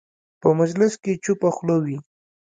په مجلس کې چوپه خوله وي.